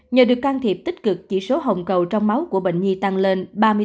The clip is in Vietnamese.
nhờ được can thiệp tích cực chỉ số hồng cầu trong máu của bệnh nhi tăng lên ba mươi bốn ba mươi sáu